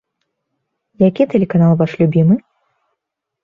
Які тэлеканал ваш любімы?